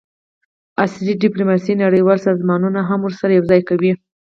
عصري ډیپلوماسي نړیوال سازمانونه هم ورسره یوځای کوي